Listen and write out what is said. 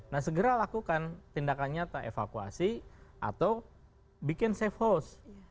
nah segera lakukan tindakan nyata evakuasi atau bikin safe house